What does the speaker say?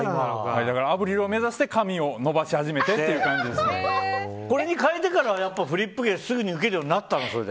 アブリルを目指して髪を伸ばし始めてっていうこれに変えてからフリップ芸すぐにウケるようになったの？